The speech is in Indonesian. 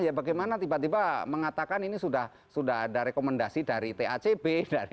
ya bagaimana tiba tiba mengatakan ini sudah ada rekomendasi dari tacb